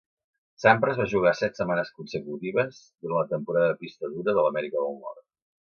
Sampras va jugar set setmanes consecutives durant la temporada de pista dura de l'Amèrica del Nord.